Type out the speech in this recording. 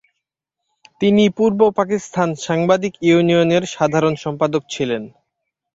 তিনি পূর্ব পাকিস্তান সাংবাদিক ইউনিয়নের সাধারণ সম্পাদক ছিলেন।